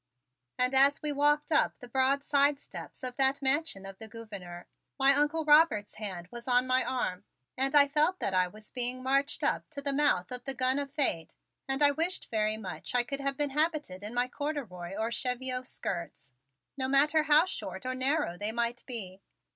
And as we walked up the broad side steps of that Mansion of the Gouverneur, my Uncle Robert's hand was on my arm and I felt that I was being marched up to the mouth of the gun of Fate and I wished very much I could have been habited in my corduroy or cheviot skirts, no matter how short or narrow they might be.